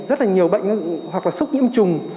rất là nhiều bệnh hoặc là sốc nhiễm trùng